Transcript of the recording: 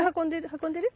運んでる？